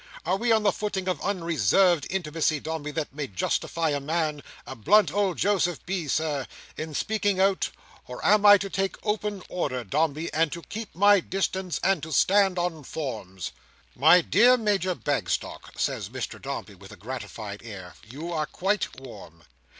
Are we on that footing of unreserved intimacy, Dombey, that may justify a man—a blunt old Joseph B., Sir—in speaking out; or am I to take open order, Dombey, and to keep my distance, and to stand on forms?" "My dear Major Bagstock," says Mr Dombey, with a gratified air, "you are quite warm."